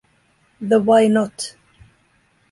The Why Not?